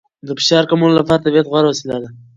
د فشار کمولو لپاره طبیعت غوره وسیله ده.